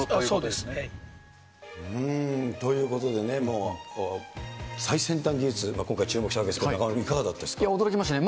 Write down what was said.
そうですね。ということでね、最先端技術、今回注目したわけですけれども、中丸君、驚きましたね。